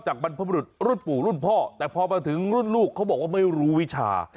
บรรพบรุษรุ่นปู่รุ่นพ่อแต่พอมาถึงรุ่นลูกเขาบอกว่าไม่รู้วิชา